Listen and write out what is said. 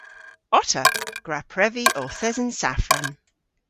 Otta! Gwra previ ow thesen safran!